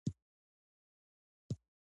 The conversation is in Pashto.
د انګلیسي ژبې زده کړه مهمه ده ځکه چې مغز روزي.